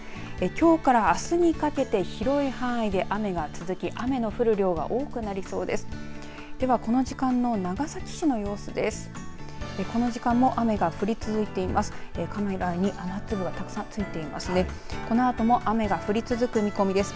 きょうからあすにかけて広い範囲で雨が続き雨の降る量が多くなりそうです。